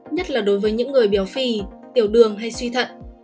nhất là đối với những người béo phì tiểu đường hay suy thận